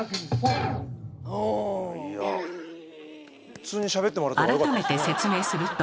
普通にしゃべってもらってもよかったですねえ。